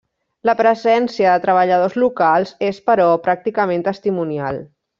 La presència de treballadors locals és, però, pràcticament testimonial.